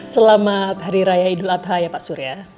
selamat hari raya idul adha ya pak surya